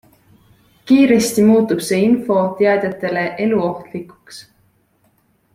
Kiiresti muutub see info teadjatele eluohtlikuks.